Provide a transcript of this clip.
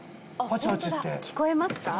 聞こえますか？